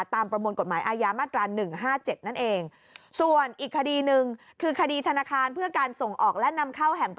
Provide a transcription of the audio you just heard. ประมวลกฎหมายอาญามาตรา๑๕๗นั่นเอง